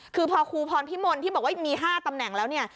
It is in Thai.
คือพอครูพรพิมลที่บอกว่ามี๕ตำแหน่งแล้วเนี่ย